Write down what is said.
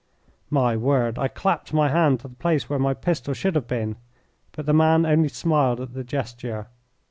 My word, I clapped my hand to the place where my pistol should have been, but the man only smiled at the gesture.